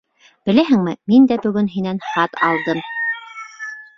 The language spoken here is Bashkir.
Беләһеңме, мин дә бөгөн һинән хат алдым.